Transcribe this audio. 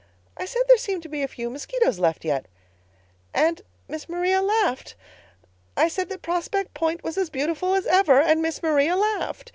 I said there seemed to be a few mosquitoes left yet—and Miss Maria laughed. I said that Prospect Point was as beautiful as ever—and Miss Maria laughed.